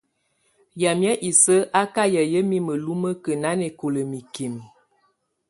Yamɛ̀á isǝ́ á kà yayɛ̀á mimǝ́ lumǝ́kǝ́ nanɛkɔla mikimǝ.